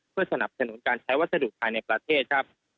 เพื่อสนับสนุนการใช้วัสดุภายในประเทศครับ